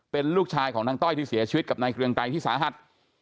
เป็นลูกชายของนางต้อยที่เสียชีวิตกับนายเกรียงไกรที่สาหัส